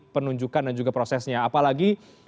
penunjukan dan juga prosesnya apalagi